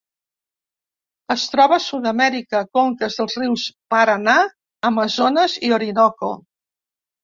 Es troba a Sud-amèrica: conques dels rius Paranà, Amazones i Orinoco.